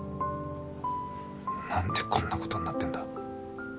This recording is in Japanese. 何でこんなことになってんだ。